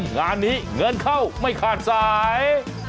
งานนี้เงินเข้าไม่ขาดสาย